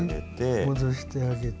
戻してあげて。